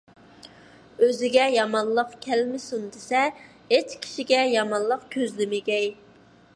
ئۆزىگە يامانلىق كەلمىسۇن دېسە، ھېچ كىشىگە يامانلىق كۆزلىمىگەي.